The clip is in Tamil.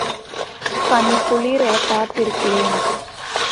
கண் குளிரப் பார்த்திருக்கிறேன்.